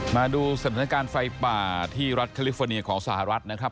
มาดูสถานการณ์ไฟป่าที่รัฐแคลิฟอร์เนียของสหรัฐนะครับ